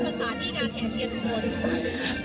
เพราะความอะไรหรือ